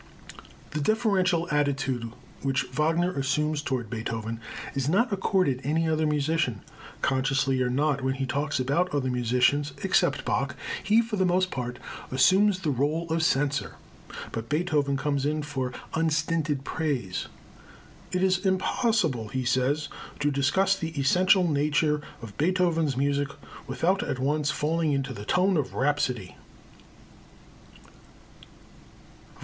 The deferential attitude which Wagner assumes toward Beethoven is not accorded any other musician. Consciously or not, when he talks about other musicians (except Bach) he, for the most part, assumes the rôle of censor. But Beethoven comes in for unstinted praise. "It is impossible," he says, "to discuss the essential nature of Beethoven's music without at once falling into the tone of rhapsody."